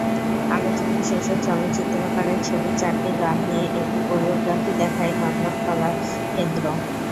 আলোচনা শেষে চলচ্চিত্রকারের ছবির চারটি গান নিয়ে একটি কোরিওগ্রাফি দেখায় নন্দন কলাকেন্দ্র।